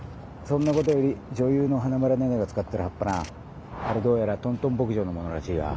そんなことより女優の花村寧々が使ってる葉っぱなあれどうやらトントン牧場のものらしいわ。